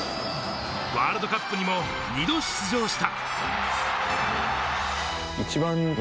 ワールドカップにも２度出場した。